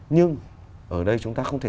nhưng ở đây chúng ta không thể